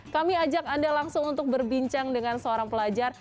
kami ajak anda langsung untuk berbincang dengan seorang pelajar